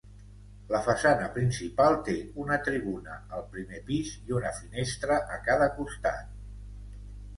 La façana principal té una tribuna al primer pis i una finestra a cada costat.